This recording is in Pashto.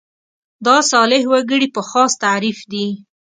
دا صالح وګړي په خاص تعریف دي.